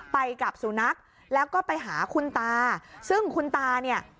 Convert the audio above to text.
ไปกับสุนัขแล้วก็ไปหาคุณตาซึ่งคุณตาเนี่ย